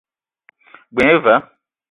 G-beu gne va.